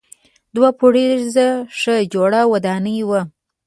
دوه پوړیزه ښه جوړه ودانۍ وه.